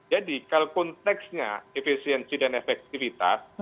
jadi kalau konteksnya efisiensi dan efektivitas